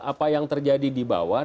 apa yang terjadi di bawah